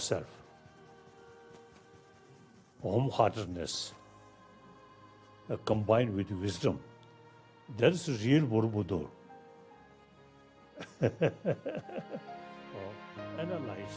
kebaikan hati ditambah dengan kebijaksanaan itu adalah borobudur yang benar